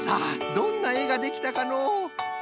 どんなえができたかのう？